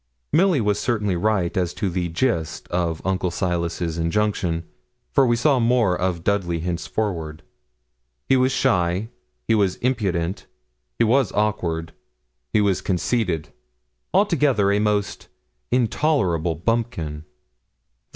Milly was certainly right as to the gist of Uncle Silas's injunction, for we saw more of Dudley henceforward. He was shy; he was impudent; he was awkward; he was conceited; altogether a most intolerable bumpkin.